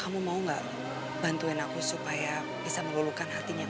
kamu mau gak bantuin aku supaya bisa melulukan hatinya